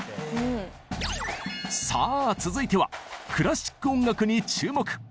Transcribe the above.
さあ続いてはクラシック音楽に注目。